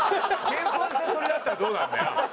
謙遜してそれだったらどうなんだよ。